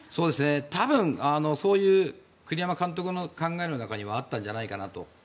多分そういう栗山監督の考えの中にはあったんじゃないかなと。